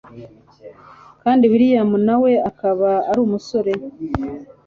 kandi william nawe akaba arumusore